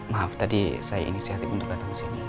maaf tadi saya inisiatif untuk datang ke sini